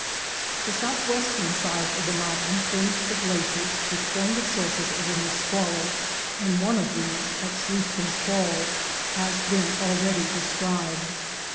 The southwestern sides of the mountain furnish the glaciers which form the sources of the Nisqually, and one of these, at Sluiskin's Falls, has been already de scribed.